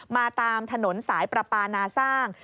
มาตามถนนสายประปานาสร้าง